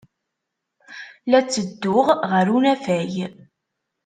La ttedduɣ ɣer unafag.